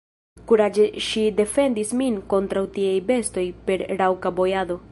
Kuraĝe ŝi defendis min kontraŭ tiaj bestoj per raŭka bojado.